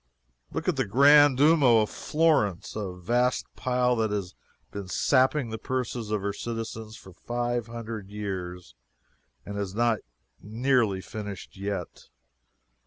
Look at the grand Duomo of Florence a vast pile that has been sapping the purses of her citizens for five hundred years, and is not nearly finished yet.